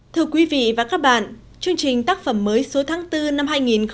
thưa quý vị và các bạn chương trình tác phẩm mới số tháng bốn năm hai nghìn hai mươi